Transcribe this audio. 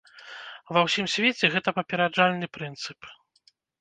Ва ўсім свеце гэта папераджальны прынцып.